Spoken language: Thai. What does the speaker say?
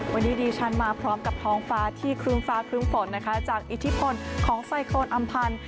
วันนี้ดิฉันมาพร้อมกับท้องฟ้าที่ครึ่งฟ้าครึ่งฝนนะคะจากอิทธิพลของไซโครนอำพันธ์